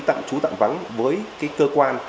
tặng chú tặng vắng với cái cơ quan